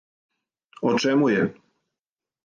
О чему је?